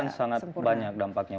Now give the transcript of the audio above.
kan sangat banyak dampaknya